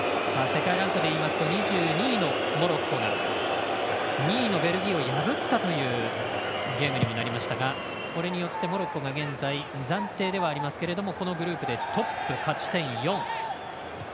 世界ランクでいいますと２２位のモロッコが２位のベルギーを破ったというゲームになりましたがこれによってモロッコが現在暫定ではありますけどこのグループでトップ勝ち点４。